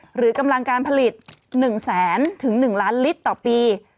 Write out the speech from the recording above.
หรือกำลังการผลิต๑แสนถึง๑ล้านลิตรต่อปี